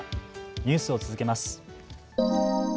ニュースを続けます。